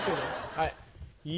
はい。